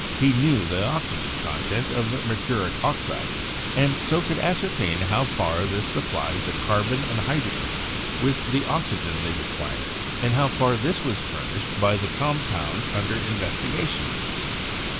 He knew the oxygen con tent of the mercuric oxide, and so could ascertain how far this supplied the carbon and hydrogen with the oxygen they required, and how far this was furnished by the com pound under investigation.